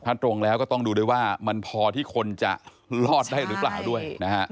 ถ้าตรงแล้วก็ต้องดูด้วยว่ามันพอที่คนจะรอดได้หรือเปล่าด้วยนะฮะ